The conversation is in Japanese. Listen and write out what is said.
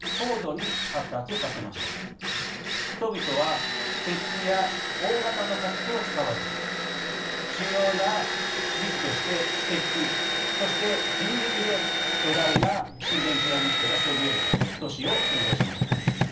人々は鉄器や大型の家畜を使わず主要な利器として石器そして人力で巨大な神殿ピラミッドがそびえる都市を建造しました。